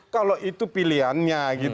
kalau itu pilihannya